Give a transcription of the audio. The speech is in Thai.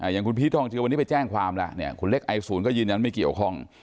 อย่างคุณพีชทองเจือวันนี้ไปแจ้งความล่ะเนี่ยคุณเล็กไอศูนย์ก็ยืนยันไม่เกี่ยวข้อง